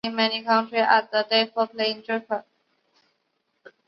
这种选择性是藉由金属网格整合在拖网结构上实现的。